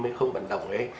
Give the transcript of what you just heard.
nó không vận động ấy